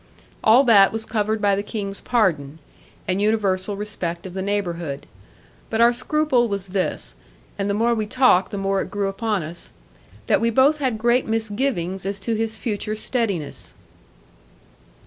All that was covered by the King's pardon, and universal respect of the neighbourhood. But our scruple was this and the more we talked the more it grew upon us that we both had great misgivings as to his future steadiness.